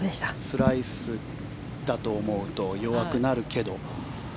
スライスだと思うと弱くなるけど。